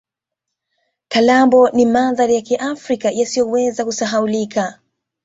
kalambo ni mandhari ya africa yasiyoweza kusahaulika